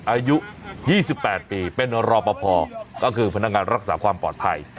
อายุ๒๘ปีเป็นรอปภก็คือพนักงานรักษาความปลอดภัย